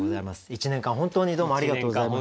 １年間本当にどうもありがとうございました。